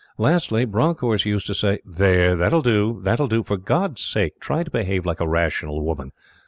Lastly, Bronckhorst used to say: "There! That'll do, that'll do. For God's sake try to behave like a rational woman.